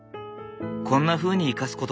こんなふうに生かすこともある。